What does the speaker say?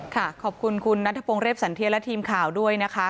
ขอบคุณคุณนัทพงศ์เรียบสันเทียและทีมข่าวด้วยนะคะ